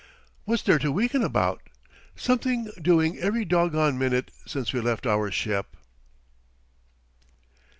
"What's there to weaken about? Something doing every doggone minute since we left our ship."